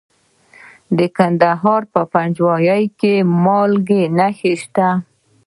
د کندهار په پنجوايي کې د مالګې نښې شته.